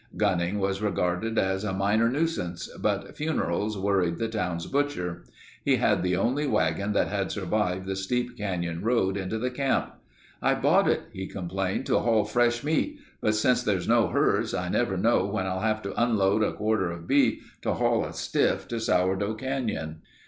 Gunning was regarded as a minor nuisance, but funerals worried the town's butcher. He had the only wagon that had survived the steep canyon road into the camp. "I bought it," he complained, "to haul fresh meat, but since there's no hearse I never know when I'll have to unload a quarter of beef to haul a stiff to Sourdough Canyon."